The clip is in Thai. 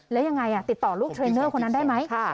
แล้วยังไงติดต่อลูกเทรนเนอร์คนนั้นได้ไหม